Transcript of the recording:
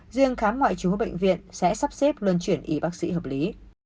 duyên khám ngoại trú của bệnh viện sẽ sắp xếp luân chuyển y bác sĩ hợp lý